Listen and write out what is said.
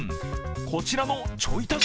こちらのちょい足し